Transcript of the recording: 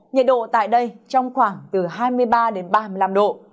nhiệt độ tại đây trong khoảng từ hai mươi ba đến ba mươi năm độ